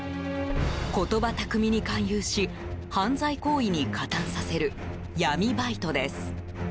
言葉巧みに勧誘し犯罪行為に加担させる闇バイトです。